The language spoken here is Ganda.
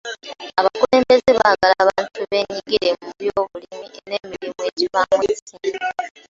Abakulembeze baagala abantu beenyigire mu byobulimi n'emirimu egivaamu ensimbi.